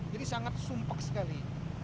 jadi sangat sumpah sekali